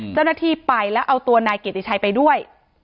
เจ้าหน้าที่ไปแล้วเอาตัวนายเกียรติชัยไปด้วย